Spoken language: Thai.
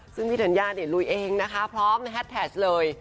ซึ่งพี่ธัญญาลุยเองพร้อมแฮดแท็จเลย